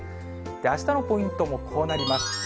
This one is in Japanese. あしたのポイントもこうなります。